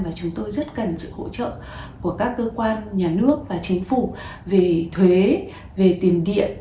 và chúng tôi rất cần sự hỗ trợ của các cơ quan nhà nước và chính phủ về thuế về tiền điện